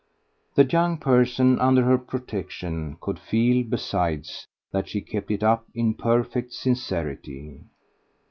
The young person under her protection could feel besides that she kept it up in perfect sincerity.